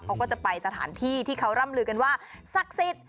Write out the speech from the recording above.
เขาก็จะไปสถานที่ที่เขาร่ำลือกันว่าศักดิ์สิทธิ์